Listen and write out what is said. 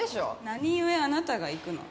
何故あなたが行くの？